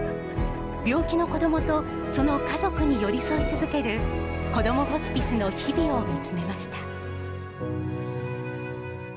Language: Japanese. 病気の子どもと、その家族に寄り添い続ける、こどもホスピスの日々を見つめました。